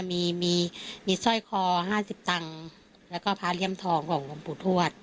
มีมีมีสร้อยคอห้าสิบตังค์แล้วก็พาเหลี่ยมทองของบรรพุทวช